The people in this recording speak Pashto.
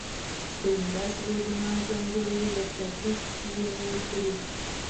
سپی مې داسې بې ګناه ځان جوړوي لکه هیڅ یې نه وي کړي.